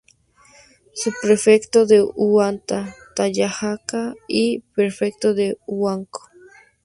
Subprefecto de Huanta, Tayacaja, y Prefecto de Huánuco.